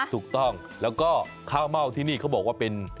ถูกต้องแล้วก็ข้าวเม่าที่นี่เขาบอกว่าเป็น